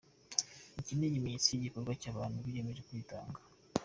Iki ni ikimenyetso cy’igikorwa cy’abantu biyemeje kwitanga.